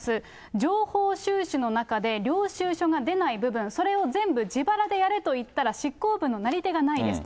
情報収取の中で、領収書が出ない部分、それを全部自腹でやれと言ったら、執行部のなり手がないですと。